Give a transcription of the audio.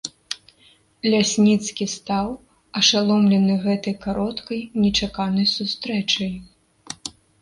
Лясніцкі стаяў, ашаломлены гэтай кароткай, нечаканай сустрэчай.